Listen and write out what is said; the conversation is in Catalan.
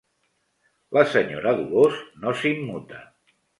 La senyora Dolors no s'immuta.